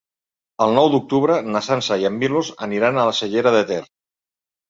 El nou d'octubre na Sança i en Milos aniran a la Cellera de Ter.